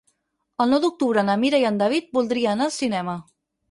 El nou d'octubre na Mira i en David voldria anar al cinema.